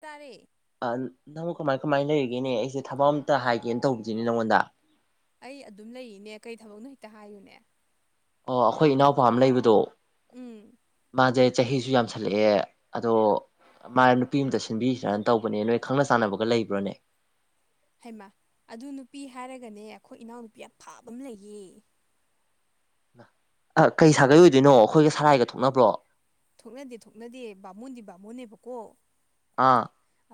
ꯇꯔꯦ ꯅꯪ ꯀꯃꯥꯏ ꯀꯃꯥꯏꯅ ꯂꯩꯔꯤꯒꯦꯅꯦ ꯑꯩꯁꯦ ꯊꯕꯛ ꯑꯃꯇ ꯍꯥꯏꯒꯦꯅ ꯇꯧꯕꯁꯤꯅꯦ ꯅꯪꯉꯣꯟꯗ ꯑꯩ ꯑꯗꯨꯝ ꯂꯩꯔꯤꯅꯦ ꯀꯔꯤ ꯊꯕꯛ ꯅꯨ ꯍꯦꯛꯇ ꯍꯥꯏꯌꯨꯅꯦ ꯑꯣ ꯑꯩꯈꯣꯏ ꯏꯅꯥꯎꯄꯥ ꯑꯃ ꯂꯩꯕꯗꯣ ꯎꯝ ꯍꯥꯖꯩ ꯆꯍꯤꯁꯨ ꯌꯥꯝꯁꯜꯂꯛꯑꯦ ꯑꯗꯣ ꯃꯥ ꯅꯨꯄꯤ ꯑꯃꯇ ꯁꯤꯟꯕꯤꯁꯤ꯭ꯔꯥꯅ ꯇꯧꯕꯅꯦ ꯅꯣꯏ ꯈꯪꯅ ꯆꯥꯟꯅꯕꯒ ꯂꯩꯕ꯭ꯔꯣꯅꯦ ꯍꯩꯃ ꯑꯗꯨ ꯅꯨꯄꯤ ꯍꯥꯏꯔꯒꯅꯦ ꯑꯩꯈꯣꯏ ꯏꯅꯥꯎꯅꯨꯄꯤ ꯌꯥꯝ ꯐꯥꯕ ꯑꯃ ꯂꯩꯌꯦ ꯑ ꯀꯩ ꯁꯥꯒꯩ ꯑꯣꯏꯗꯣꯏꯅꯣ ꯑꯩꯈꯣꯏꯒ ꯁꯂꯥꯏꯒ ꯊꯣꯛꯅꯕ꯭ꯔꯣ ꯊꯣꯛꯅꯗꯦ ꯊꯣꯛꯅꯗꯦ ꯕꯥꯃꯣꯟꯗꯤ ꯕꯥꯃꯣꯟꯅꯦꯕꯀꯣ ꯑꯥ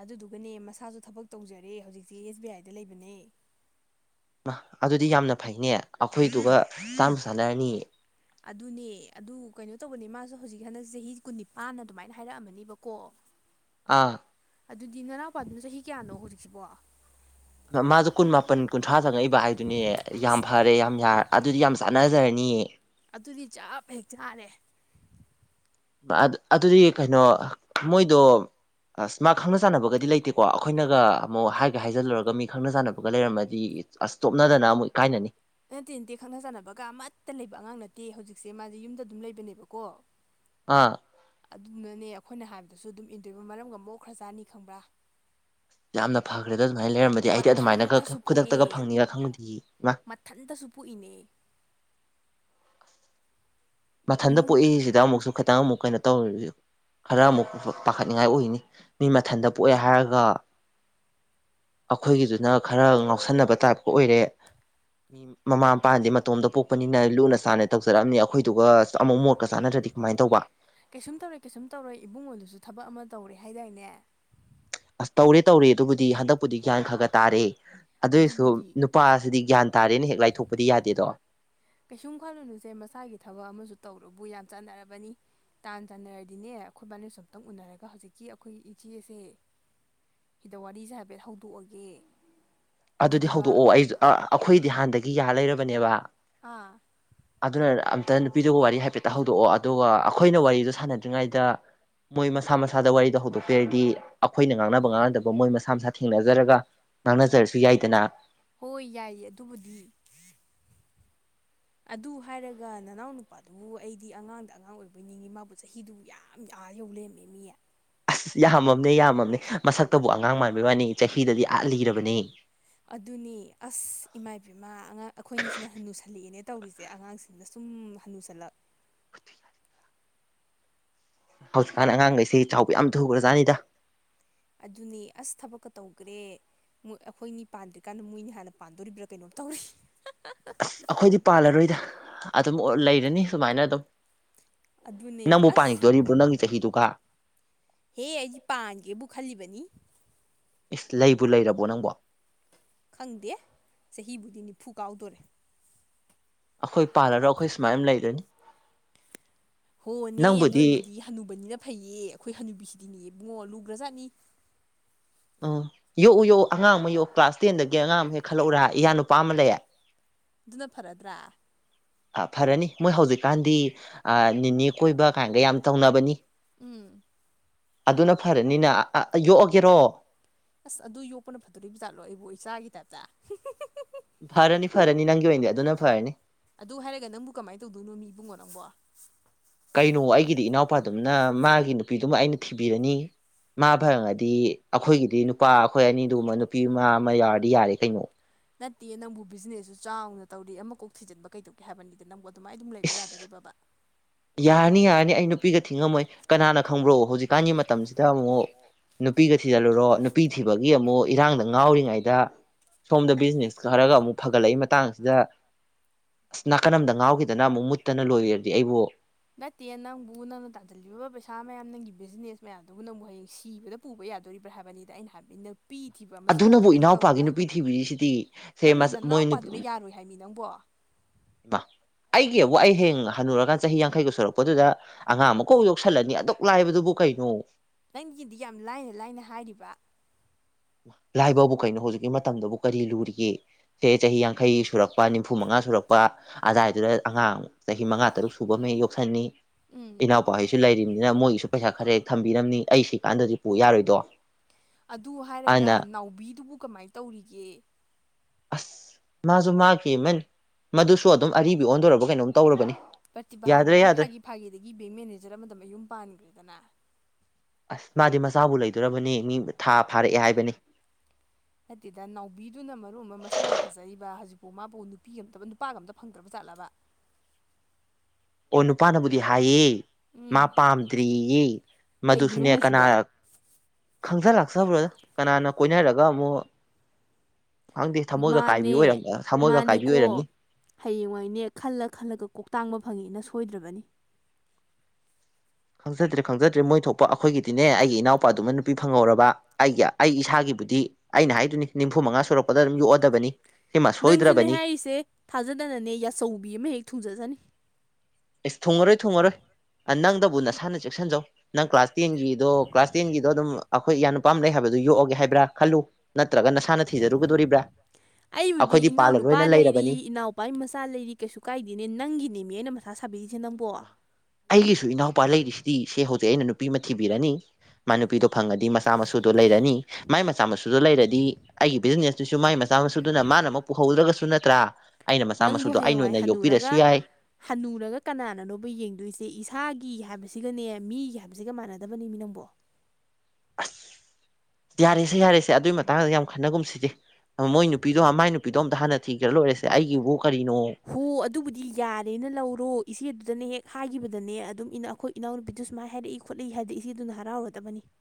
ꯑꯗꯨꯗꯨꯒꯅꯦ ꯃꯁꯥꯁꯨ ꯊꯕꯛ ꯇꯧꯖꯔꯦ ꯍꯧꯖꯤꯛꯁꯤ ꯑꯦꯁ ꯕꯤ ꯑꯥꯏꯗ ꯂꯩꯕꯅꯦ ꯑꯗꯨꯗꯤ ꯌꯥꯝꯅ ꯐꯩꯅꯦ ꯑꯩꯈꯣꯏꯗꯨꯒ ꯆꯥꯅꯕꯨ ꯆꯥꯟꯅꯔꯅꯤꯌꯦ ꯑꯗꯨꯅꯦ ꯑꯗꯨ ꯀꯩꯅꯣ ꯇꯧꯕꯅꯤ ꯃꯥꯁꯨ ꯍꯧꯖꯤꯛ ꯍꯟꯗꯛ ꯆꯍꯤ ꯀꯨꯟꯅꯤꯄꯥꯟꯅ ꯑꯗꯨꯃꯥꯏꯅ ꯍꯥꯏꯔꯛꯑꯝꯃꯅꯤꯕꯀꯣ ꯑꯥ ꯑꯗꯨꯗꯤ ꯅꯅꯥꯎꯄꯥꯗꯨꯅ ꯆꯍꯤ ꯀꯌꯥꯅꯣ ꯍꯧꯖꯤꯛꯁꯤꯕꯣ ꯃꯥꯁꯨ ꯀꯨꯟ ꯃꯥꯄꯟ ꯀꯨꯟꯊ꯭ꯔꯥ ꯆꯪꯉꯛꯏꯕ ꯍꯥꯏꯗꯨꯅꯦ ꯌꯥꯝ ꯑꯁ ꯐꯔꯦ ꯌꯥꯝ ꯌꯥꯔꯦ ꯑꯗꯨꯗꯤ ꯌꯥꯝ ꯆꯥ ꯅꯥꯖꯔꯅꯤꯌꯦ ꯑꯗꯨꯗꯤ ꯆꯞ ꯍꯦꯛ ꯆꯥꯔꯦ ꯑꯗꯨꯗꯤ ꯀꯩꯅꯣ ꯃꯣꯏꯗꯣ ꯑꯁ ꯃꯥ ꯈꯪꯅ ꯆꯥꯟꯅꯕꯒꯗꯤ ꯂꯩꯇꯦꯀꯣ ꯑꯩꯈꯣꯏꯅꯒ ꯑꯃꯨꯛ ꯍꯥꯏꯒ ꯍꯥꯏꯖꯤꯜꯂꯨꯔꯒ ꯃꯤ ꯈꯪꯅ ꯆꯥꯟꯅꯕꯒ ꯂꯩꯔꯝꯃꯗꯤ ꯑꯁ ꯆ‌ꯣꯞꯅꯗꯅ ꯑꯃꯨꯛ ꯏꯀꯥꯏꯅꯅꯤ ꯅꯠꯇꯦ ꯅꯠꯇꯦ ꯈꯪꯅ ꯆꯥꯟꯅꯕꯒ ꯑꯃꯠꯇ ꯂꯩꯕ ꯑꯉꯥꯡ ꯅꯠꯇꯦ ꯍꯧꯖꯤꯛꯁꯦ ꯃꯥꯁꯦ ꯌꯨꯝꯗ ꯑꯗꯨꯝ ꯂꯩꯕꯅꯦꯕꯀꯣ ꯑꯥ ꯑꯗꯨꯅꯅꯦ ꯑꯩꯈꯣꯏꯅ ꯍꯥꯏꯕ ꯑꯗꯨꯁꯨ ꯑꯗꯨꯝ ꯏꯟꯗꯣꯏꯕ ꯃꯔꯝꯒ ꯃ‌ꯣꯛꯈꯔꯖꯥꯅꯤ ꯈꯪꯕ꯭ꯔꯥ ꯌꯥꯝꯅ ꯐꯒ꯭ꯔꯦ ꯑꯗꯨꯗ ꯑꯗꯨꯃꯥꯏꯅ ꯂꯩꯔꯝꯃꯗꯤ ꯑꯩꯗꯤ ꯑꯗꯨꯃꯥꯏꯅꯒ ꯃꯊꯟꯇꯁꯨ ꯈꯨꯗꯛꯇꯒ ꯄꯣꯛꯑꯦ ꯐꯪꯅꯤꯒ ꯈꯪꯕꯗꯤꯌꯦ ꯏꯃ ꯃꯊꯟꯇꯁꯨ ꯄꯣꯛꯏꯅꯦ [inaudible] ꯃꯊꯟꯇ ꯏꯃꯨꯡ ꯄꯣꯛꯏꯁꯤꯗ ꯑꯃꯨꯛꯁꯨ ꯈꯤꯇꯪ ꯑꯃꯨꯛ ꯀꯩꯅꯣ ꯇꯧꯔꯤ ꯈꯔ ꯑꯃꯨꯛ ꯄꯥꯈꯠꯅꯤꯉꯥꯏ ꯑꯣꯏꯅꯤ ꯃꯤ ꯃꯊꯟꯗ ꯄꯣꯛꯑꯦ ꯍꯥꯏꯔꯒ ꯑꯩꯈꯣꯏꯒꯤꯗꯨꯅ ꯈꯔ ꯉꯥꯎꯁꯟꯅꯕ ꯇꯥꯏꯞꯀ ꯑꯣꯏꯔꯦ ꯃꯤ ꯃꯃꯥ ꯃꯄꯥꯗꯤ ꯃꯇꯣꯝꯗ ꯄꯣꯛꯄꯅꯤꯅ ꯂꯨꯅ ꯆꯥꯟꯅꯩ ꯇꯧꯖꯔꯛꯑꯅꯤ ꯑꯩꯈꯣꯏ ꯑꯗꯨꯒ ꯑꯃꯨꯛ ꯃꯣꯠꯀ ꯆꯥꯟꯅꯗ꯭ꯔꯗꯤ ꯀꯃꯥꯏꯅ ꯇꯧꯕ ꯀꯩꯁꯨꯝ ꯇꯧꯔꯦ ꯀꯩꯁꯨꯝ ꯇꯧꯔꯣꯏ ꯏꯕꯨꯡꯉꯣꯟꯗꯨꯁꯨ ꯊꯕꯛ ꯑꯃ ꯇꯧꯔꯦ ꯍꯥꯏꯗꯥꯏꯅꯦ ꯑꯁ ꯇꯧꯔꯦ ꯇꯧꯔꯦ ꯑꯗꯨꯕꯨꯗꯤ ꯍꯟꯗꯛꯄꯨꯗꯤ ꯒ꯭ꯌꯥꯟ ꯈꯔ ꯈ ꯇꯥꯔꯦ ꯑꯗꯨꯑꯣꯏꯁꯨ ꯑꯗꯨꯕꯨꯗꯤ ꯅꯨꯄꯥꯁꯤꯗꯤ ꯒ꯭ꯌꯥꯟ ꯇꯥꯔꯦꯅ ꯍꯦꯛ ꯂꯥꯏꯊꯣꯛꯄꯗꯤ ꯌꯥꯗꯦꯗꯣ ꯀꯩꯁꯨꯝ ꯈꯜꯂꯨꯅꯨꯁꯦ ꯃꯁꯥꯒꯤ ꯊꯕꯛ ꯑꯃꯁꯨ ꯇꯧꯔꯨꯕꯨ ꯌꯥꯝ ꯆꯥꯟꯅꯔꯕꯅꯤ ꯇꯥꯟ ꯆꯥꯟꯅꯔꯗꯤꯅꯦ ꯑꯩꯈꯣꯏꯕꯥꯅꯁꯨ ꯑꯝꯨꯛꯇꯪ ꯎꯅꯔꯒ ꯍꯧꯖꯤꯛꯀꯤ ꯑꯩꯈꯣꯏꯒꯤ ꯏꯆꯦ ꯑꯁꯦ ꯁꯤꯗ ꯋꯥꯔꯤꯁꯦ ꯍꯥꯏꯐꯦꯠ ꯍꯧꯗꯣꯛꯑꯒꯦ ꯑꯗꯨꯗꯤ ꯑꯗꯨꯗꯨꯒ ꯍꯧꯗꯣꯛꯑꯣ ꯑꯩꯁꯨ ꯑꯩꯈꯣꯏꯗꯤ ꯍꯥꯟꯅꯗꯒꯤ ꯌꯥ ꯂꯩꯔꯕꯅꯦꯕ ꯑꯥ ꯑꯗꯨ ꯑꯗꯨꯅ ꯅꯨꯄꯤꯗꯨꯒ ꯋꯥꯔꯤ ꯍꯥꯏꯐꯦꯠꯇ ꯍꯧꯗꯣꯛꯑꯣ ꯑꯗꯨꯒ ꯑꯩꯈꯣꯏꯅ ꯋꯥꯔꯤꯗꯣ ꯁꯥꯟꯅꯗ꯭ꯔꯤꯉꯩꯗ ꯃꯣꯏ ꯃꯁꯥ ꯃꯁꯥꯗ ꯋꯥꯔꯤꯗ ꯍꯧꯗꯣꯛꯄꯤꯔꯗꯤ ꯑꯩꯈꯣꯏꯅ ꯉꯥꯡꯅꯕ ꯉꯥꯡꯅꯗꯕ ꯃꯣꯏ ꯃꯁꯥ ꯃꯁꯥ ꯊꯦꯡꯅꯖꯔꯒ ꯉꯥꯡꯅꯖꯔꯁꯨ ꯌꯥꯏꯗꯅ ꯍꯣꯏ ꯌꯥꯏꯌꯦ ꯑꯗꯨꯕꯨꯗꯤ ꯑꯗꯨ ꯍꯥꯏꯔꯒ ꯅꯅꯥꯎ ꯅꯨꯄꯥꯗꯨꯕꯨ ꯑꯩꯗꯤ ꯑꯉꯥꯡꯗ ꯑꯉꯥꯡ ꯑꯣꯏꯕꯣꯏ ꯅꯤꯡꯉꯤ ꯃꯥꯕꯨ ꯆꯍꯤꯗꯨꯕꯨ ꯌꯥꯝ ꯌꯥꯎ ꯑꯥ ꯌꯧ ꯂꯩꯃꯦꯃꯦ ꯑꯁ ꯌꯥꯝꯃꯝꯅꯦ ꯌꯥꯝꯃꯝꯅꯦ ꯃꯁꯛꯇꯕꯨ ꯑꯉꯥꯡ ꯃꯥꯟꯕꯩ ꯋꯥꯅꯤ ꯆꯍꯤꯗꯗꯤ ꯑꯥꯠ ꯂꯤꯔꯕꯔꯕꯅꯦ ꯑꯗꯨꯅꯤ ꯑꯁ ꯏꯃꯥ ꯏꯕꯃꯥ ꯑꯩꯈꯣꯏꯅꯤꯁꯤꯅ ꯍꯟꯅꯨꯁꯜꯂꯛꯑꯦꯅꯦ ꯇꯧꯔꯤꯁꯦ ꯑꯉꯥꯡꯁꯤꯡꯅ ꯁꯨꯝ ꯍꯅꯨꯁꯜꯂꯛ ꯍꯧꯖꯤꯛꯀꯥꯟ ꯑꯉꯥꯡꯈꯩꯁꯤ ꯆꯥꯎꯕ ꯌꯥꯝ ꯊꯨꯈ꯭ꯔꯖꯥꯠꯅꯤꯗ ꯑꯗꯨꯅꯤ ꯑꯁ ꯊꯕꯛꯀ ꯇꯧꯒ꯭ꯔꯦ ꯑꯩꯈꯣꯏꯅꯤ ꯄꯥꯟꯗ꯭ꯔꯤꯀꯥꯟꯗ ꯃꯣꯏꯅꯤ ꯍꯥꯟꯅ ꯄꯥꯟꯗꯣꯔꯤꯕ꯭ꯔꯥ ꯀꯩꯅꯣꯝ ꯇꯧꯔꯏ ꯑꯁ ꯑꯩꯈꯣꯏꯗꯤ ꯄꯥꯜꯂꯔꯣꯏꯗ ꯑꯗꯨꯝ ꯂꯩꯔꯅꯤ ꯁꯨꯃꯥꯏꯅ ꯑꯗꯨꯝ ꯑꯗꯨꯅꯦ ꯅꯪꯕꯨ ꯑꯁ ꯄꯥꯉꯛꯇꯣꯔꯤꯕ꯭ꯔꯣ ꯅꯪꯒꯤ ꯆꯍꯤꯗꯨꯒ ꯍꯦ ꯑꯩꯗꯤ ꯄꯥꯟꯒꯦꯕꯨ ꯈꯜꯂꯤꯕꯅꯤ ꯏꯁ ꯂꯩꯕꯨ ꯂꯩꯔꯕꯣ ꯅꯪꯕꯣ ꯈꯪꯗꯦ ꯆꯍꯤꯕꯨꯗꯤ ꯅꯤꯐꯨ ꯀꯥꯎꯗꯣꯔꯦ ꯑꯩꯈꯣꯏ ꯄꯥꯜꯂꯔꯣ ꯑꯩꯈꯣꯏ ꯁꯨꯃꯥꯏꯅ ꯑꯗꯨꯝ ꯂꯩꯔꯅꯤ ꯍꯣꯅꯦ ꯅꯣꯏꯕꯨꯗꯤ ꯍꯅꯨꯕꯅꯤꯅ ꯐꯩꯌꯦ ꯑꯩꯈꯣꯏ ꯍꯅꯨꯕꯤꯁꯤꯗꯤꯅꯦꯑ ꯏꯕꯨꯡꯉꯣ ꯂꯨꯒ꯭ꯔꯖꯥꯠꯅꯤ ꯎꯝ ꯌꯣꯛꯎ ꯌꯣꯛꯎ ꯑꯉꯥꯡ ꯑꯃ ꯌꯣꯛꯎ ꯀ꯭ꯂꯥꯁ ꯇꯦꯟꯗꯒꯤ ꯑꯉꯥꯡ ꯑꯃ ꯍꯦꯛ ꯈꯜꯂꯛꯎꯔ ꯏꯌꯥ ꯅꯨꯄꯥ ꯑꯃ ꯂꯩꯌꯦ ꯑꯗꯨꯅ ꯐꯔꯗ꯭ꯔ ꯐꯔꯅꯤ ꯃꯣꯏ ꯍꯧꯖꯤꯛꯀꯥꯟꯗꯤ ꯅꯤꯅꯦ ꯀꯣꯏꯕ ꯀꯥꯏꯅꯒ ꯌꯥꯝ ꯇꯧꯅꯕꯅꯤ ꯎꯝ ꯑꯗꯨꯅ ꯐꯔꯅꯤꯅ ꯌꯣꯛꯑꯒꯦꯔꯣ ꯑꯁ ꯑꯗꯨ ꯌꯣꯛꯄꯅ ꯐꯠꯇꯣꯔꯤꯕ ꯖꯥꯠꯂꯣ ꯑꯩꯕꯨ ꯏꯆꯥꯒꯤ ꯇꯥꯏꯞꯇ ꯐꯔꯅꯤ ꯐꯔꯅꯤ ꯅꯪꯒꯤ ꯑꯣꯏꯅꯗꯤ ꯑꯗꯨꯅ ꯐꯔꯅꯤ ꯑꯗꯨ ꯍꯥꯏꯔꯒ ꯅꯪꯕꯨ ꯀꯃꯥꯏꯅ ꯇꯧꯗꯣꯏꯅꯣ ꯃꯤꯕꯨꯡꯉꯣ ꯅꯪꯕ ꯀꯩꯅꯣ ꯑꯩꯒꯤꯗꯤ ꯏꯅꯥꯎꯄꯥꯗꯨꯝꯅ ꯃꯥꯒꯤ ꯅꯨꯄꯤꯗꯨꯃ ꯑꯩꯅ ꯊꯤꯕꯤꯔꯅꯤ ꯃꯥ ꯐꯪꯉꯗꯤ ꯑꯩꯈꯣꯏꯒꯤꯗꯤ ꯅꯨꯄꯥ ꯑꯩꯈꯣꯏ ꯑꯅꯤꯗꯨꯨꯝꯕ ꯅꯨꯄꯤ ꯑꯃ ꯑꯃ ꯌꯥꯎꯔꯗꯤ ꯌꯥꯔꯦ ꯀꯩꯅꯣ ꯅꯠꯇꯦ ꯅꯪꯕꯨ ꯕꯤꯖꯤꯅꯦꯁꯁꯨ ꯆꯥꯎꯅ ꯇꯧꯔꯤ ꯑꯃ ꯀꯣꯛ ꯊꯤꯖꯤꯟꯕ ꯀꯩꯗꯧꯒꯦ ꯍꯥꯏꯕꯅꯤꯗ ꯅꯪꯕꯨ ꯑꯗꯨꯃꯥꯏꯅ ꯑꯗꯨꯝ ꯏ ꯂꯩꯕ ꯌꯥꯗꯣꯔꯤꯕꯕꯥ ꯌꯥꯔꯅꯤ ꯌꯥꯔꯅꯤ ꯑꯩ ꯅꯨꯄꯤꯒ ꯊꯤꯡꯉꯝꯃꯣꯏ ꯀꯅꯥꯅ ꯈꯪꯕ꯭ꯔꯣ ꯍꯧꯖꯤꯛꯀꯥꯟꯒꯤ ꯃꯇꯝꯁꯤꯗ ꯗ ꯑꯃꯨꯛ ꯅꯨꯄꯤꯒ ꯊꯤꯖꯤꯜꯂꯨꯔꯣ ꯅꯨꯄꯤ ꯊꯤꯕꯒꯤ ꯑꯃꯨꯛ ꯏꯔꯥꯡꯅ ꯉꯥꯎꯔꯤꯉꯩꯗ ꯁꯣꯝꯗ ꯕꯤꯖꯤꯅꯦꯁ ꯈꯔꯒ ꯑꯃꯨꯛ ꯐꯒꯠꯂꯛꯏ ꯃꯇꯥꯡꯁꯤꯗ ꯑꯁ ꯅꯥꯀꯟ ꯑꯃꯝꯗ ꯉꯥꯎꯈꯤꯗꯅ ꯑꯃꯨꯛ ꯃꯨꯠꯇꯅ ꯂꯣꯏꯔꯗꯤ ꯑꯩꯕꯨ ꯅꯠꯇꯦ ꯅꯪꯕꯨ ꯅꯪꯅ ꯇꯥꯟꯁꯤꯜꯂꯤꯕ ꯄꯩꯁꯥ ꯃꯌꯥꯝ ꯅꯪꯒꯤ ꯕꯤꯖꯤꯅꯦꯁ ꯃꯌꯥꯝꯗꯨꯕꯨ ꯅꯪꯕꯨ ꯍꯌꯦꯡ ꯁꯤꯕꯗ ꯄꯨꯕ ꯌꯥꯗꯣꯔꯤꯕ꯭ꯔꯥ ꯍꯥꯏꯕꯅꯤꯗ ꯑꯩꯅ ꯍꯥꯏ ꯄꯤ ꯊꯤꯕ ꯑꯃꯁꯨ ꯅꯠꯇꯦ ꯑꯗꯨꯅꯕꯨ ꯅꯪ ꯏꯅꯥꯎꯄꯥꯒꯤ ꯇꯧꯔꯤꯕ ꯅꯨꯄꯤ ꯊꯤꯕꯤꯔꯤꯁꯤꯗꯤ ꯁꯦ ꯅꯪꯕꯨ ꯃꯣꯏ ꯅꯅꯥꯎꯄꯥꯗꯨꯅ ꯅꯨꯄꯤꯃ ꯌꯥꯔꯣꯏ ꯍꯥꯏꯅꯤ ꯅꯪꯕꯣ [inaudible] ꯑꯩꯒꯤ ꯑꯩ ꯍꯌ‌ꯦꯡ ꯍꯟꯅꯨꯔꯀꯥꯟ ꯆꯍꯤ ꯌꯥꯡꯈꯩꯒ ꯁꯨꯔꯛꯄꯗꯨꯗ ꯑꯉꯥꯡ ꯑꯃꯀꯣꯛ ꯌ‌ꯣꯛꯁꯜꯂꯅꯤ ꯑꯗꯨꯛ ꯂꯥꯏꯕꯗꯨꯕꯨ ꯀꯩꯅꯣ ꯅꯪꯒꯤꯗꯤ ꯌꯥꯝ ꯂꯥꯏꯅ ꯂꯥꯏꯅ ꯍꯥꯏꯔꯤꯕ ꯂꯥꯏꯕꯕꯨ ꯀꯩꯅꯣ ꯍꯧꯖꯤꯛꯀꯤ ꯃꯇꯝꯗꯕꯨ ꯀꯔꯤ ꯂꯨꯔꯤꯒꯦ ꯁꯦ ꯆꯍꯤ ꯌꯥꯡꯈꯩ ꯁꯨꯔꯛꯄ ꯅꯤꯝꯐꯨ ꯃꯉꯥ ꯁꯨꯔꯛꯄ ꯑꯖꯥꯏꯗꯨꯗ ꯑꯉꯥꯡ ꯆꯍꯤ ꯃꯉꯥ ꯇꯔꯨꯛ ꯁꯨꯕ ꯑꯃ ꯌꯣꯛꯁꯟꯅꯤ ꯎꯝ ꯏꯅꯥꯎꯄꯥꯍꯩꯁꯨ ꯂꯩꯔꯤꯕꯔꯤꯅꯤꯅ ꯃꯣꯏꯒꯤꯁꯨ ꯄꯩꯁꯥ ꯈꯔ ꯍꯦꯛ ꯊꯝꯕꯤꯔꯝꯅꯤ ꯑꯩ ꯁꯤ ꯀꯥꯟꯗꯗꯤ ꯄꯨ ꯌꯥꯔꯣꯏꯗꯣ ꯑꯗꯨ ꯍꯥꯏꯔꯒ ꯑꯗꯨꯅ ꯅꯥꯎꯕꯤꯗꯨꯕꯨ ꯀꯃꯥꯏꯅ ꯇꯧꯔꯤꯒꯦ ꯑꯁ ꯃꯥꯁꯨ ꯃꯥꯈꯤꯃꯟ ꯃꯗꯨꯁꯨ ꯑꯗꯨꯝ ꯑꯔꯤꯕ ꯑꯣꯟꯗꯣꯔꯔꯕ ꯀꯩꯅꯣꯝ ꯇꯧꯔꯕꯅꯤ ꯌꯥꯗ꯭ꯔꯦ ꯄ꯭ꯔꯇꯤꯚꯥꯗꯨꯗꯤ ꯌꯥꯗ꯭ꯔꯦ ꯐꯥꯒꯤ ꯐꯥꯒꯤꯗꯒꯤ ꯕꯦꯡ ꯃꯦꯅꯦꯖꯔ ꯑꯃꯗ ꯃꯌꯨꯝ ꯄꯥꯟꯈ꯭ꯔꯦꯗꯅ ꯑꯁ ꯃꯥꯗꯤ ꯃꯆꯥꯕꯨ ꯂꯩꯗꯣꯔꯕꯅꯤ ꯃꯤ ꯊꯥ ꯐꯥꯔꯛꯑꯦ ꯍꯥꯏꯕꯅꯤ ꯅꯠꯇꯦꯗ ꯅꯥꯎꯕꯤꯗꯨꯅ ꯃꯔꯨꯃ ꯃꯁꯛꯅ ꯐꯖꯩꯕ ꯍꯧꯖꯤꯛꯄꯨ ꯃꯥꯕꯨ ꯅꯨꯄꯤ ꯑꯝꯇꯕ ꯅꯨꯄꯥꯒ ꯑꯝꯇ ꯐꯪꯗ꯭ꯔꯕꯖꯥꯠ ꯖꯥꯠꯂꯕ ꯑꯣ ꯅꯨꯄꯥꯅꯕꯨꯗꯤ ꯍꯥꯏꯌꯦ ꯃꯥ ꯎꯝ ꯄꯥꯝꯗ꯭ꯔꯤꯌꯦ ꯀꯩꯒꯤꯅꯣ ꯃꯗꯨꯁꯨꯅꯦ ꯀꯅꯥ ꯍꯥꯏꯁꯤꯕꯣ ꯈꯪꯖ ꯂꯥꯛꯆꯕꯔꯣꯗ ꯀꯅꯥꯅ ꯀꯣꯏꯅꯔꯒ ꯑꯃꯨꯛ ꯈꯪꯗꯦ ꯊꯃꯣꯏꯒ ꯀꯥꯏꯕꯤ ꯃꯥꯅꯦ ꯑꯣꯏꯔꯝ ꯊꯃꯣꯏꯒ ꯀꯥꯏꯕꯤ ꯃꯥꯅꯤꯀꯣ ꯑꯣꯏꯔꯝꯅꯤ ꯍꯌꯦꯡꯋꯥꯏꯅꯦ ꯈꯜꯂ ꯈꯜꯂꯒ ꯀꯣꯛꯇꯥꯡꯕ ꯐꯪꯉꯦꯅ ꯁꯣꯏꯗ꯭ꯔꯕꯅꯤ ꯈꯪꯖꯗ꯭ꯔꯦ ꯈꯪꯖꯗ꯭ꯔꯦ ꯃꯣꯏ ꯊꯣꯛꯄ ꯑꯩꯈꯣꯏꯒꯤꯗꯤꯅꯦ ꯑꯩꯒꯤ ꯏꯅꯥꯎꯄꯥꯗꯨꯃ ꯅꯨꯄꯤ ꯐꯪꯍꯧꯔꯕ ꯑꯩꯒꯤ ꯑꯩ ꯏꯁꯥꯒꯤ ꯕꯨꯗꯤ ꯑꯩꯅ ꯍꯥꯏꯗꯨꯏꯅꯤ ꯅꯤꯝꯐꯨ ꯃꯉꯥ ꯁꯨꯔꯛꯄꯗ ꯑꯗꯨꯝ ꯌꯣꯛꯑꯗꯕꯅꯤ ꯁꯤꯃ ꯅꯪꯁꯨꯅꯦ ꯁꯣꯏꯗ꯭ꯔꯕꯅꯤ ꯍꯥꯏꯌꯤꯁꯦ ꯊꯥꯖꯗꯅꯅꯦ ꯌꯥꯆꯧꯕꯤ ꯑꯃ ꯍꯦꯛ ꯊꯨꯡꯖꯖꯅꯤ ꯏꯁ ꯊꯨꯡꯉꯔꯣꯏ ꯊꯨꯡꯉꯔꯣꯏ ꯅꯪꯗꯕꯨ ꯅꯁꯥꯅ ꯆꯦꯛꯁꯟꯖꯧ ꯅꯪ ꯀ꯭ꯂꯥꯁ ꯇꯦꯟꯒꯤꯗꯣ ꯀ꯭ꯂꯥꯁ ꯇꯦꯟꯒꯤꯗꯣ ꯑꯗꯨꯝ ꯑꯩꯈꯣꯏ ꯏꯌꯥ ꯅꯨꯄꯥ ꯑꯃ ꯂꯩ ꯍꯥꯏꯕ ꯌꯣꯛꯑꯒꯦ ꯍꯥꯏꯕ꯭ꯔꯥ ꯈꯜꯂꯨ ꯅꯠꯇ꯭ꯔꯒ ꯅꯁꯥꯅ ꯊꯤꯖꯔꯨꯒꯗꯣꯔꯤꯕ꯭ꯔꯥ [inaudible] ꯑꯩꯕꯨꯗꯤ ꯑꯩꯈꯣꯏꯗꯤ ꯄꯥꯜꯂꯔꯣꯏꯅ ꯏꯅꯥꯎꯅꯨꯄꯥ ꯂꯩꯔꯕꯅꯤ ꯂꯩꯔꯤ ꯏꯅꯥꯎꯄꯥꯒꯤ ꯃꯆꯥ ꯂꯩꯔꯤ ꯀꯩꯁꯨ ꯀꯥꯏꯗꯦꯅꯦ ꯅꯪꯒꯤꯅꯤꯃꯤ ꯑꯩꯅ ꯃꯁ ꯃꯥ ꯑꯩꯒꯤꯁꯨ ꯏꯅꯥꯎꯄꯥ ꯂꯩꯔꯤꯁꯤꯗꯤ ꯁꯦ ꯍꯧꯖꯤꯛ ꯑꯩꯅ ꯅꯨꯄꯤ ꯑꯃ ꯊꯤꯕꯤꯔꯅꯤ ꯃꯥ ꯅꯨꯄꯤꯗꯣ ꯐꯪꯉꯗꯤ ꯃꯆꯥ ꯃꯁꯨꯗꯣ ꯂꯩꯔꯅꯤ ꯃꯥꯏ ꯃꯆꯥ ꯃꯁꯨꯗꯣ ꯂꯩꯔꯗꯤ ꯑꯩꯒꯤ ꯕꯤꯖꯤꯅꯦꯁꯇꯨꯁꯨ ꯃꯥꯏ ꯃꯆ ꯃꯆꯥꯃꯁꯨꯗꯨꯅ ꯃꯥꯅ ꯑꯃꯨꯛ ꯄꯨꯍꯧꯗ꯭ꯔꯒꯁꯨ ꯅꯠꯇ꯭ꯔꯥ ꯑꯩꯅ ꯃꯆꯥ ꯅꯪꯕꯨ ꯃꯁꯨꯗꯣ ꯑꯩꯅ ꯍꯌꯦꯡꯋꯥꯏ ꯑꯣꯏꯅ ꯍꯟꯅꯨꯔꯒ ꯌꯣꯛꯄꯤꯔꯁꯨ ꯌꯥꯏ ꯍꯟꯅꯨꯔꯒ ꯀꯅꯥꯟ ꯅꯅꯣꯕ ꯌꯦꯡꯗꯣꯏꯁꯦ ꯏꯁꯥꯒꯤ ꯍꯥꯏꯕꯁꯤꯒꯅꯦ ꯃꯤꯒꯤ ꯍꯥꯏꯕꯁꯤꯒ ꯃꯥꯟꯅꯗꯕꯅꯤꯃꯤ ꯅꯪꯕꯣ ꯑꯁ ꯌꯥꯔꯦꯁꯦ ꯌꯥꯔꯦꯁꯦ ꯑꯗꯨꯒꯤ ꯃꯇꯥꯡꯗ ꯌꯥꯝ ꯈꯟꯅꯒꯨꯝ ꯁꯤꯖꯦ ꯃꯣꯏ ꯅꯨꯄꯤꯗꯣ ꯃꯥꯏ ꯅꯨꯄꯤꯗꯣ ꯑꯝꯇ ꯍꯥꯟꯅ ꯊꯤꯒꯔ ꯂꯣꯏꯔꯦꯁꯦ ꯑꯩꯒꯤꯕꯨ ꯀꯔꯤꯅꯣ ꯍꯣ ꯑꯗꯨꯕꯨꯗꯤ ꯌꯥꯔꯦꯅ ꯂꯧꯔꯣ ꯏꯆꯦꯗꯨ ꯗꯨꯅ ꯍꯦꯛ ꯍꯥꯏꯒꯤꯕꯗꯅꯦ ꯑꯗꯨꯝ ꯏꯅꯥ ꯑꯈꯣꯏ ꯏꯅꯥꯎꯅꯨꯄꯤꯗꯨ ꯁꯨꯃꯥꯏꯅ ꯍꯥꯏꯔꯛꯏ ꯈꯣꯠꯂꯛꯏ ꯍꯥꯏꯕꯗ ꯏꯆꯦꯗꯨꯅ ꯍꯔꯥꯎꯔꯗꯕꯅꯤ [inaudible]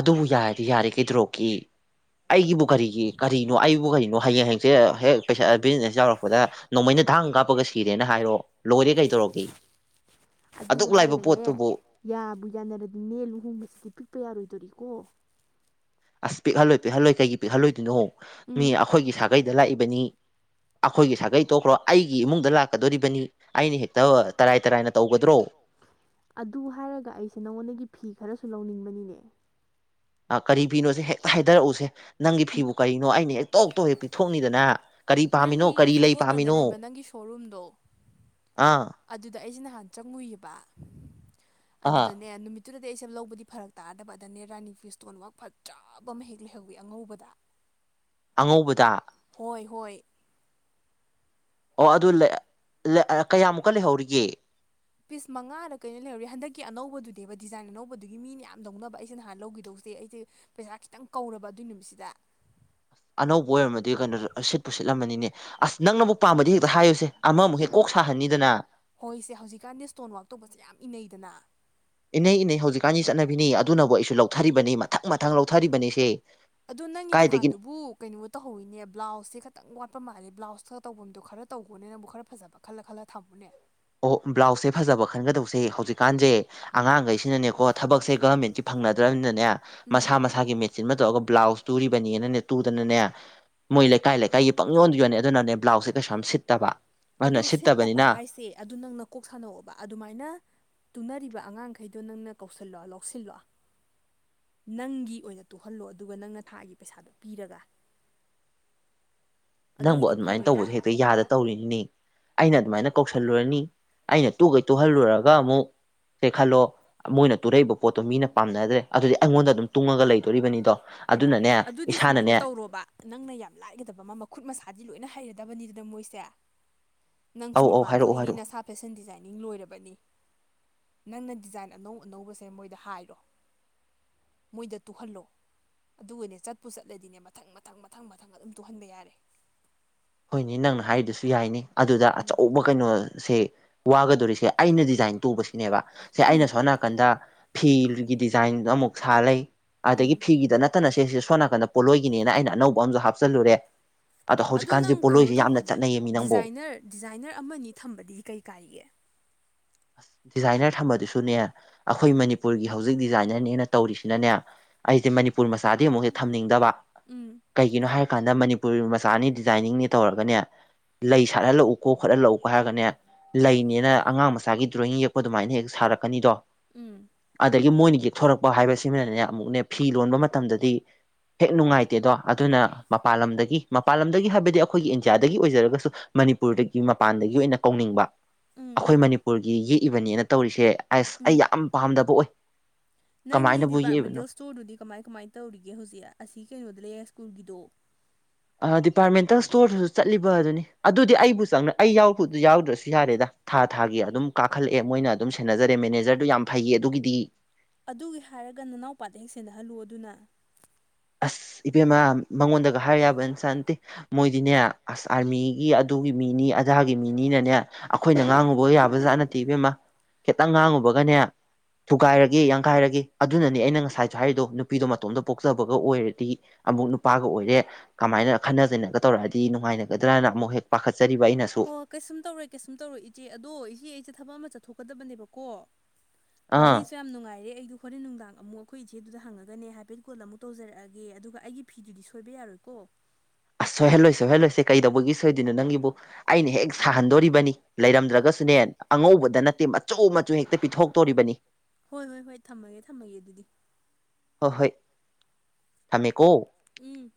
ꯑꯗꯨꯕꯨ ꯌꯥꯔꯗꯤ ꯌꯥꯔꯦ ꯀꯩꯗꯧꯔꯒꯦ ꯑꯩꯒꯤꯕꯨ ꯀꯔꯤꯒꯤ ꯀꯔꯤꯅꯣ ꯑꯩꯕꯨ ꯀꯔꯤꯅꯣ ꯍꯌꯦꯡ ꯍꯡꯆꯤꯠ ꯑꯥ ꯍꯦꯛ ꯄꯩꯁꯥ ꯑ ꯕꯤꯖꯤꯅꯦꯁ ꯌꯥꯎꯔꯛꯄꯗ ꯅꯣꯡꯃꯩꯅ ꯊꯥꯡ ꯀꯥꯞꯄꯒ ꯁꯤꯔꯦꯅ ꯍꯥꯏꯔꯣ ꯂꯣꯏꯔꯦ ꯀꯩꯗꯧꯔꯒꯦ ꯑꯗꯨ ꯑꯗꯨꯛ ꯂꯥꯏꯕ ꯍꯥꯏꯔꯒꯅꯦ ꯄꯣꯠꯇꯨꯕꯨ ꯌꯥꯕꯨ ꯌꯥꯅꯔꯗꯤꯅꯦ ꯂꯨꯍꯣꯡꯕꯁꯤꯗꯤ ꯄꯤꯛꯄ ꯌꯥꯔꯣꯏꯗꯣꯔꯤ ꯀꯣ ꯑꯁ ꯄꯤꯛꯍꯜꯂꯣꯏ ꯄꯤꯛꯍꯜꯂꯣꯏ ꯀꯩꯒꯤ ꯄꯤꯛꯍꯜꯂꯣꯏꯗꯣꯏꯅꯣ ꯃꯤ ꯎꯝ ꯑꯩꯈꯣꯏꯒꯤ ꯁꯥꯒꯩꯗ ꯂꯥꯛꯏꯕꯅꯤ ꯑꯈꯣꯏꯒꯤ ꯁꯥꯒꯩ ꯑꯗ ꯇꯣꯛꯈ꯭ꯔꯣ ꯑꯩꯒꯤ ꯏꯃꯨꯡꯗ ꯂꯥꯛꯀꯗꯣꯔꯤꯕꯅꯤ ꯑꯩꯅ ꯍꯦꯛꯇ ꯇꯔꯥꯏ ꯇꯔꯥꯏꯅ ꯇꯧꯒꯗ꯭ꯔꯣ ꯑꯗꯨ ꯍꯥꯏꯔꯒ ꯑꯩꯁꯦ ꯅꯉꯣꯟꯗꯒꯤ ꯐꯤ ꯈꯔꯁꯨ ꯂꯧꯅꯤꯡꯕꯅꯤꯅꯦ ꯑꯥ ꯀꯔꯤ ꯐꯤꯅꯣꯁꯦ ꯍꯦꯛꯇ ꯍꯥꯏꯗꯔꯛꯎꯁꯦ ꯅꯪꯒꯤ ꯐꯤꯕꯨ ꯀꯔꯤꯅꯣ ꯑꯩꯅ ꯍꯦꯛ ꯇꯣꯛ ꯇꯣꯛ ꯍꯦꯛ ꯄꯤꯊꯣꯛꯅꯤꯗꯅ ꯀꯔꯤ ꯄꯥꯝꯃꯤꯅꯣ ꯅꯪꯒꯤ ꯀꯔꯤ ꯂꯩ ꯁꯒꯣꯜꯕꯟꯗ ꯄꯥꯝꯃꯤꯅꯣ ꯂꯩꯕ ꯅꯪꯒꯤ ꯁꯣꯔꯨꯝꯗꯣ ꯑꯥ ꯑꯗꯨꯗ ꯑꯩꯁꯦ ꯅꯍꯥꯟ ꯆꯪꯉꯨꯏꯑꯕ ꯑꯥ ꯑꯗꯨꯗꯅꯦ ꯅꯨꯃꯤꯠ ꯇꯨꯗꯗꯤ ꯑꯩꯁꯦ ꯂꯧꯕꯗꯤ ꯐꯔꯛ ꯇꯥꯔꯗꯕ ꯑꯗꯅꯦ ꯔꯥꯅꯤ ꯐꯤ ꯏꯁꯇꯣꯟꯋꯥꯛ ꯐꯖꯕꯝꯃ ꯍꯦꯛ ꯂꯩꯍꯧꯋꯤ ꯑꯉꯧꯕꯗ [inaudible] ꯑꯉꯧꯕꯗ ꯍꯣꯏ ꯍꯣꯏ ꯑꯣ ꯑꯗꯨ ꯂꯩ ꯂꯩ ꯑꯥ ꯀꯌꯥꯃꯨꯛꯀ ꯂꯩꯍꯧꯔꯤꯒꯦ ꯄꯤꯁ ꯃꯉꯥꯗ ꯀꯩꯅꯣ ꯂꯩꯍꯧꯔꯤ ꯍꯟꯗꯛꯀꯤ ꯑꯅꯧꯕꯗꯨꯗꯦꯕ ꯗꯤꯖꯥꯏꯟ ꯑꯅꯧꯕꯗꯨꯒꯤ ꯃꯤꯅ ꯌꯥꯝ ꯂꯧꯅꯕ ꯑꯩꯁꯦ ꯅꯍꯥꯟ ꯂꯧꯒꯤꯗꯧꯖꯤ ꯖꯦ ꯑꯩꯖꯦ ꯄꯩꯁꯥ ꯈꯤꯇꯪ ꯀꯧꯔꯕ ꯑꯗꯨꯏ ꯅꯨꯃꯤꯠꯁꯤꯗ ꯑꯅꯧꯕ ꯑꯣꯏꯔꯝꯃꯗꯤ ꯀꯩꯅꯣꯖꯨ ꯑꯁꯤꯠꯄꯨ ꯁꯤꯠꯂꯝꯃꯅꯤꯅꯦ ꯑꯁ ꯅꯪꯅꯕꯨ ꯄꯥꯝꯃꯗꯤ ꯍꯦꯛꯇ ꯍꯥꯏꯌꯨꯁꯦ ꯑꯃꯃꯨꯛ ꯍꯦꯛ ꯀꯣꯛ ꯁꯥꯍꯟꯅꯤꯗꯅ ꯍꯣꯏꯁꯦ ꯍꯧꯖꯤꯛꯀꯥꯟꯗꯤ ꯏꯁꯇꯣꯟꯋꯥꯛ ꯇꯧꯕꯁꯦ ꯌꯥꯝ ꯏꯟꯅꯩꯗꯅ ꯏꯅꯩ ꯏꯅꯩ ꯍꯧꯖꯤꯛꯀꯥꯟꯒꯤ ꯆꯠꯅꯕꯤꯅꯤ ꯑꯗꯨꯅꯕꯨ ꯑꯩꯁꯨ ꯂꯧꯊꯔꯤꯕꯅꯤ ꯃꯊꯪ ꯃꯊꯪ ꯂꯧꯊꯔꯤꯕꯅꯤ ꯁꯦ ꯑꯗꯣ ꯅꯪꯒꯤ ꯀꯥꯏꯗꯒꯤ ꯗꯨꯀꯥꯟꯗꯨꯕꯨ ꯀꯩꯅꯣ ꯇꯧꯍꯧꯋꯤꯅꯦ ꯕ꯭ꯂꯥꯎꯁ ꯁꯦ ꯈꯤꯇꯪ ꯋꯥꯠ ꯆꯄ ꯃꯥꯑꯦ ꯕ꯭ꯂꯥꯎꯁ ꯈꯔ ꯇꯧꯐꯝꯗꯣ ꯈꯔ ꯇꯧꯒꯅꯦ ꯅꯪꯕꯨ ꯈꯔ ꯐꯕ ꯈꯜꯂ ꯈꯜꯂ ꯊꯝꯃꯨꯅꯦ ꯑꯣ ꯕ꯭ꯂꯥꯎꯁꯁꯦ ꯐꯖꯕ ꯈꯟꯒꯗꯧꯁꯦ ꯍꯧꯖꯤꯛꯀꯥꯟꯁꯦ ꯑꯉꯥꯡꯈꯩꯁꯤꯅꯅꯦꯀꯣ ꯊꯕꯛꯁꯦ ꯒꯔꯃꯦꯟꯁꯤ ꯐ ꯐꯪꯅꯗ꯭ꯔꯕꯅꯤꯅꯅꯦ ꯎꯝ ꯃꯁꯥ ꯃꯁꯥꯒꯤ ꯃꯦꯆꯤꯟ ꯑꯃ ꯇꯧꯔꯒ ꯕ꯭ꯂꯥꯎꯁ ꯇꯨꯔꯤꯕꯅꯤꯅꯅꯦ ꯇꯨꯗꯅꯅꯦ ꯃꯣꯏ ꯂꯩꯀꯥꯏ ꯂꯩꯀꯥꯏꯒꯤ ꯄꯪ ꯌꯣꯟꯗ ꯌꯣꯟꯅꯦ ꯑꯗꯨꯅꯅꯦ ꯕ꯭ꯂꯥꯎꯁꯦ ꯀꯩꯁꯁꯨ ꯌꯥꯝ ꯁꯤꯠꯇꯕ ꯑꯗꯨ ꯑꯗꯨꯅ ꯁꯤꯠꯇꯕ ꯁꯤꯠꯇꯕꯅꯤꯅ ꯍꯥꯏꯁꯦ ꯑꯗꯨ ꯅꯪꯅ ꯀꯣꯛ ꯁꯥꯟꯅꯣꯛꯑꯣꯕ ꯑꯗꯨꯃꯥꯏꯅ ꯇꯨꯅꯔꯤꯕ ꯑꯉꯥꯡꯈꯩꯗꯣ ꯅꯪꯅ ꯀꯧꯁꯤꯜꯂꯣ ꯂꯧꯁꯤꯜꯂꯣ ꯅꯪꯒꯤ ꯑꯣꯏꯅ ꯇꯨꯍꯜꯂꯣ ꯑꯗꯨꯒ ꯅꯪꯅ ꯊꯥꯒꯤ ꯄꯩꯁꯥꯗꯣ ꯄꯤꯔꯒ [inaudible] ꯅꯪꯕꯨ ꯑꯗꯨꯏꯗꯤ ꯑꯗꯨꯃꯥꯏꯅ ꯐꯔꯣꯏꯗ꯭ꯔꯥ ꯇꯧꯕꯁꯦ ꯍꯦꯛꯇ ꯌꯥꯗ ꯇꯧꯔꯤꯅꯤꯅꯦ ꯑꯩꯅ ꯑꯗꯨꯃꯥꯏꯅ ꯀꯧꯁꯤꯜꯂꯨꯔꯅꯤ ꯑꯩꯅ ꯇꯨꯈꯩ ꯇꯨꯍꯜꯂꯨꯔꯒ ꯑꯃꯨꯛ ꯁꯦ ꯈꯜꯂꯣ ꯃꯣꯏꯅ ꯇꯨꯔꯛꯏꯕ ꯄꯣꯠꯇꯣ ꯃꯤꯅ ꯄꯥꯝꯅꯗ꯭ꯔꯦ ꯑꯗꯨꯗꯤ ꯑꯩꯉꯣꯟꯗ ꯑꯗꯨꯝ ꯇꯨꯡꯉꯒ ꯂꯩꯗꯣꯔꯤꯕꯅꯤꯗꯣ ꯍꯩꯃ ꯑꯗꯨꯅꯅꯦ ꯑꯗꯨꯗꯤ ꯁꯨꯃꯥꯏꯅ ꯏꯁꯥꯅꯅꯦ ꯇꯧꯔꯣꯕ ꯅꯪꯅ ꯌꯥꯝ ꯂꯥꯏꯒꯗꯕ ꯑꯃ ꯃꯈ ꯈꯨꯠ ꯃꯁꯥꯗꯤ ꯂꯣꯏꯅ ꯍꯩꯔꯗꯕꯅꯤꯗꯅ ꯃꯣꯏꯁꯦ ꯅꯪꯁꯨ ꯑꯧ ꯑꯧ ꯃꯄꯥꯟ ꯍꯥꯏꯔꯛꯑꯣ ꯊꯣꯛꯏꯅꯤ ꯍꯥꯏꯔꯛꯑꯣ ꯅꯁꯥ ꯐꯦꯁꯟ ꯗꯤꯖꯥꯏꯅꯤꯡ ꯂꯣꯏꯔꯕꯅꯤ ꯅꯪꯅ ꯗꯤꯖꯥꯏꯟ ꯑꯅꯧ ꯑꯅꯧꯕꯁꯦ ꯃꯣꯏꯗ ꯍꯥꯏꯔꯣ ꯃꯣꯏꯗ ꯇꯨꯍꯜꯂꯣ ꯑꯗꯨꯒꯅꯦ ꯆꯠꯄꯨ ꯆꯠꯂꯗꯤꯅꯦ ꯃꯊꯪ ꯃꯊꯪ ꯃꯊꯪ ꯃꯊꯪ ꯑꯗꯨꯝ ꯇꯨꯍꯟꯕ ꯌꯥꯔꯦ ꯍꯣꯏꯅꯦ ꯅꯪꯅ ꯍꯥꯏꯗꯨꯁꯨ ꯌꯥꯏꯅꯤ ꯑꯗꯨꯗ ꯎꯝ ꯑꯆꯧꯕ ꯀꯩꯅꯣ ꯁꯦ ꯋꯥꯒꯗꯣꯔꯤꯁꯦ ꯑꯩꯅ ꯗꯤꯖꯥꯏꯟ ꯇꯧꯕꯁꯤꯅꯦꯕ ꯁꯦ ꯎꯝ ꯑꯩꯅ ꯁꯣꯝ ꯅꯥꯀꯟꯗ ꯐꯤ ꯒꯤ ꯗꯤꯖꯥꯏꯟ ꯑꯃꯨꯛ ꯁꯥ ꯂꯩ ꯎꯝ ꯑꯗꯒꯤ ꯐꯤꯒꯤꯗ ꯅꯠꯇꯅ ꯁꯤꯦ ꯁꯤꯁꯦ ꯁꯣꯝ ꯅꯥꯀꯟꯗ ꯄꯣꯠꯂꯣꯏꯒꯤꯅꯦꯅ ꯑꯩꯅ ꯑꯅꯧꯕ ꯑꯝꯨ ꯍꯥꯞꯆꯜꯂꯨꯔꯦ ꯑꯗ ꯑꯗꯣ ꯍꯧꯖꯤꯛꯀꯥꯟꯁꯤ ꯅꯪ ꯀꯩꯅꯣ ꯇꯧꯕꯗꯤ ꯗꯤꯖꯥꯏꯅꯔ ꯗꯤꯖꯥꯏꯅꯔ ꯑꯃꯅꯤ ꯊꯝꯕꯗꯤ ꯀꯩ ꯀꯥꯏꯒꯦ ꯑꯁ ꯗꯤꯖꯥꯏꯅꯔ ꯊꯝꯕꯗꯨꯁꯨꯅꯦ ꯑꯩꯈꯣꯏ ꯃꯅꯤꯄꯨꯔꯒꯤ ꯍꯧꯖꯤꯛ ꯗꯤꯖꯥꯏꯅꯔꯅꯦꯅ ꯇꯧꯔꯤꯁꯤꯅꯅꯦ ꯑꯩꯁꯦ ꯃꯅꯤꯄꯨꯔ ꯃꯆꯥꯗꯤ ꯑꯃꯨꯛꯁꯦ ꯊꯝꯅꯤꯡꯗꯕ ꯎꯝ ꯀꯩꯒꯤꯅꯣ ꯍꯥꯏꯔ ꯀꯥꯟꯗ ꯃꯅꯤꯄꯨꯔꯤ ꯃꯆꯥꯅꯤ ꯗꯤꯖꯥꯏꯅꯤꯡꯅꯤ ꯇꯧꯔꯒꯅꯦ ꯂꯩ ꯁꯥꯠꯍꯜꯂꯛꯎꯀꯣ ꯈꯣꯠꯍꯜꯂꯛꯎꯀꯣ ꯍꯥꯏꯔꯒꯅꯦ ꯂꯩꯅꯦꯅ ꯑꯉꯥꯡꯆꯥ ꯉꯁꯥꯒꯤ ꯗ꯭ꯔꯣꯌꯤꯡ ꯌꯦꯛꯄ ꯑꯗꯨꯃꯥꯏꯅ ꯍꯦꯛ ꯁꯥꯔꯛꯀꯅꯤꯗꯣ ꯎꯝ ꯑꯗꯒꯤ ꯃꯣꯏꯅ ꯌꯦꯛꯊꯣꯔꯛꯄ ꯍꯥꯏꯕꯁꯤꯃꯅꯅꯦ ꯑꯃꯨꯛꯅꯦ ꯐꯤ ꯂꯣꯟꯕ ꯃꯇꯝꯗꯗꯤ ꯍꯦꯛ ꯅꯨꯡꯉꯥꯏꯇꯦꯗꯣ ꯑꯗꯨꯅ ꯃꯄꯥꯟ ꯂꯝꯗꯒꯤ ꯃꯄꯥꯟ ꯂꯝꯗꯒꯤ ꯍꯥꯏꯕꯗꯤ ꯑꯩꯈꯣꯏꯒꯤ ꯏꯟꯗꯤꯌꯥꯗꯒꯤ ꯑꯣꯏꯖꯔꯒꯁꯨ ꯃꯅꯤꯄꯨꯔꯗꯒꯤ ꯃꯄꯥꯟꯗꯒꯤ ꯑꯣꯏꯅ ꯀꯧꯅꯤꯡꯕ ꯎꯝ ꯑꯩꯈꯣꯏ ꯃꯅꯤ ꯃꯄꯨꯔꯒꯤ ꯌꯦꯛꯏꯕꯅꯦꯅ ꯇꯧꯔꯤꯁꯦ ꯑꯁ ꯑꯩ ꯎꯝ ꯌꯥꯝ ꯄꯥꯝꯗꯕ ꯑꯣꯏ ꯅꯪꯒꯤ ꯀꯃꯥꯏꯅꯕꯨ ꯌꯦꯛꯏꯕꯅꯣ ꯗꯤꯄꯥꯔꯠꯃꯦꯟꯇꯦꯜ ꯏꯁꯇꯣꯔꯗꯨꯗꯤ ꯀꯃꯥꯏ ꯀꯃꯥꯏꯅ ꯇꯧꯔꯤꯒꯦ ꯍꯧꯖꯤꯛ ꯑꯁꯤ ꯀꯩꯅꯣꯗ ꯂꯩꯔ ꯀꯨꯜꯒꯤꯗꯣ ꯗꯤꯄꯥꯔꯠꯃꯦꯟꯇꯦꯜ ꯁ꯭ꯇꯣꯔꯗꯁꯨ ꯆꯠꯂꯤꯕ ꯑꯗꯨꯅꯤ ꯑꯗꯨꯗꯤ ꯑꯩꯕꯨ ꯆꯪꯅ ꯑꯩꯎꯕ ꯌꯥꯎꯗ꯭ꯔꯁꯨ ꯌꯥꯔꯦꯗ ꯊꯥꯔ ꯊꯥꯒꯤ ꯑꯗꯨꯝ ꯀꯥꯈꯠꯂꯛꯦ ꯃꯣꯏꯅ ꯑꯗꯨꯝ ꯁꯦꯟꯅꯖꯔꯦ ꯃꯦꯅꯦꯖꯔꯗꯨ ꯌꯥꯝ ꯐꯩꯌꯦ ꯑꯗꯨꯒꯤꯗꯤ ꯑꯗꯨꯒꯤ ꯍꯥꯏꯔꯒ ꯅꯅꯥꯎꯄꯥꯗ ꯍꯦꯛ ꯁꯦꯊꯍꯜꯂꯨ ꯑꯗꯨꯅ ꯑꯁ ꯏꯕꯦꯝꯃꯥ ꯃꯉꯣꯟꯗꯒ ꯍꯥꯏꯔ ꯌꯥꯕꯅ ꯁꯥꯟꯇꯦ ꯃꯣꯏꯗꯤꯅꯦ ꯑꯁ ꯑꯥꯔꯃꯤꯒꯤ ꯑꯗꯨꯒꯤ ꯃꯤꯅꯤ ꯑꯙꯥꯒꯤ ꯃꯤꯅꯤꯅꯅꯦ ꯑꯩꯈꯣꯏꯅ ꯉꯥꯡꯉꯨꯕ ꯌꯥꯕꯖꯥꯠ ꯅꯠꯇꯦ ꯏꯕꯦꯝꯃ ꯈꯤꯇꯪ ꯉꯥꯡꯉꯨꯕꯒꯅꯦ ꯊꯨꯒꯥꯏꯔꯒꯦ ꯌꯥꯡꯈꯥꯏꯔꯒꯦ ꯑꯗꯨꯅꯅꯤ ꯑꯩꯅ ꯉꯁꯥꯏꯁꯨ ꯍꯥꯏꯔꯤꯗꯣ ꯅꯨꯄꯤꯗꯣ ꯃꯇꯣꯝꯗ ꯄꯣꯛꯆꯕ ꯒ ꯑꯣꯏꯔꯗꯤ ꯑꯃꯨꯛ ꯅꯨꯄꯥꯒ ꯑꯣꯏꯔꯦ ꯀꯃꯥꯏꯅ ꯈꯅꯖꯅꯒ ꯇꯧꯔꯛꯑꯗꯤ ꯅꯨꯡꯉꯥꯏꯅꯒꯗ꯭ꯔꯥꯅ ꯑꯃꯨꯛ ꯍꯦ ꯄꯥꯠ ꯆꯔꯤꯔꯤꯕꯕꯥ ꯑꯩꯅ ꯍꯣ ꯀꯩꯁꯨꯝ ꯇꯧꯔꯦ ꯀꯩꯁꯨꯝ ꯇꯧꯔꯦ ꯏꯆꯦ ꯑꯗꯣ ꯏꯆꯦ ꯑꯩꯁꯦ ꯊꯕꯛ ꯑꯃ ꯆꯠꯊꯣꯛꯀꯗꯕꯅꯦꯕꯀꯣ ꯑꯥ ꯋꯥꯔꯤꯁꯨ ꯌꯥꯝ ꯅꯨꯡꯉꯥꯏꯔꯦ ꯑꯩꯗꯣ ꯍꯣꯔꯦꯟ ꯅꯨꯡꯗꯥꯡ ꯑꯃꯨꯛ ꯑꯩꯈꯣꯏ ꯏꯆꯦꯗꯨꯗ ꯍꯪꯉꯒꯅꯦ ꯍꯥꯏꯐꯦꯠ ꯀꯣꯜ ꯑꯃꯨꯛ ꯇꯧꯖꯔꯛꯑꯒꯦ ꯑꯗꯨꯒ ꯑꯩꯒꯤ ꯐꯤꯗꯨꯗꯤ ꯁꯣꯏꯕ ꯌꯥꯔꯣꯏꯀꯣ ꯑꯁ ꯁꯣꯏꯍꯜꯂꯣꯏ ꯁꯣꯏꯍꯜꯂꯣꯏꯁꯦ ꯀꯩꯗꯧꯕꯒꯤ ꯁꯣꯏꯗꯣꯏꯅꯣ ꯅꯪꯒꯤꯕꯨ ꯑꯩꯅ ꯍꯦꯛ ꯁꯥꯍꯟꯗꯣꯔꯤꯕꯅꯤ ꯂꯩꯔꯝꯗ꯭ꯔꯒꯁꯨ ꯁꯨꯅꯦ ꯑꯉꯧꯕꯗ ꯅꯠꯇꯦ ꯃꯆꯨ ꯃꯆꯨ ꯍꯦꯛꯇ ꯄꯤꯊꯣꯛꯇꯣꯔꯤꯕꯅꯤ ꯍꯣꯏ ꯍꯣꯏ ꯍꯣꯏ ꯊꯝꯃꯒꯦ ꯊꯝꯃꯒꯦ ꯑꯗꯨꯗꯤ ꯑ ꯍꯣꯏ ꯊꯝꯃꯦꯀꯣ ꯏ